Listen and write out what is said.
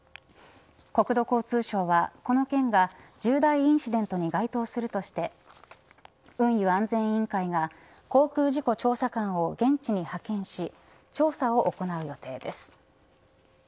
国土交通省は、この件が重大インシデントに該当するとして運輸安全委員会が航空事故調査官を現地に派遣し調査を行う予定です。